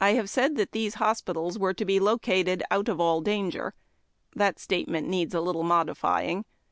I have said tliat these hos[)itals were to be located out of all danger. That statement needs a little modifying.